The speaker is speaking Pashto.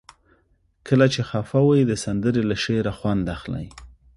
خو کله چې خفه وئ؛ د سندرې له شعره خوند اخلئ.